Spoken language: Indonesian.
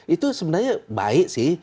itu sebenarnya baik sih